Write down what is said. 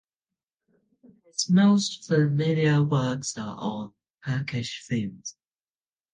His most familiar works are on Turkish themes.